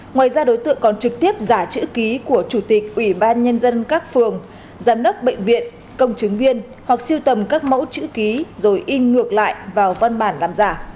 ngoài ra đối tượng còn trực tiếp giả chữ ký của chủ tịch ủy ban nhân dân các phường giám đốc bệnh viện công chứng viên hoặc siêu tầm các mẫu chữ ký rồi in ngược lại vào văn bản làm giả